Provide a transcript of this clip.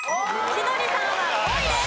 千鳥さんは５位です。